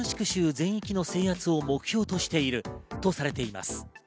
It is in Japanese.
全域の制圧を目標としているとされています。